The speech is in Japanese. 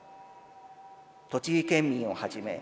栃木県民を始め